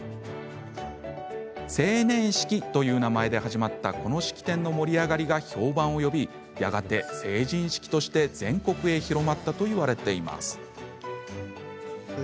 成年式という名前で始まったこの式典の盛り上がりが評判を呼び、やがて成人式として全国へ広まったといわれています。